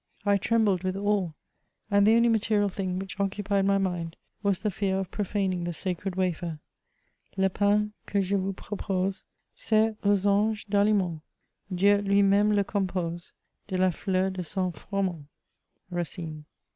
I trem bled with awe, and the only material thing which occupied my mind, was the fear of profaning the sacred wafer. « Le pain que je tous propose Sert aux anges d'aliinent, Dieu lui mdrne le compose De la fleur de son firoment."— Racine.